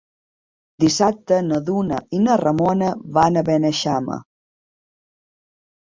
Dissabte na Duna i na Ramona van a Beneixama.